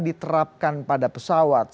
diterapkan pada pesawat